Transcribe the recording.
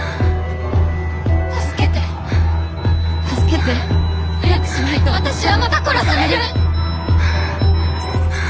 助けて助けて！早くしないと私はまた殺される！